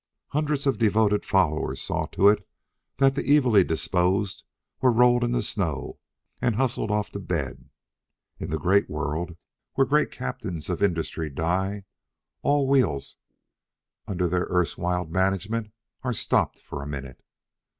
Hundreds of devoted followers saw to it that the evilly disposed were rolled in the snow and hustled off to bed. In the great world, where great captains of industry die, all wheels under their erstwhile management are stopped for a minute.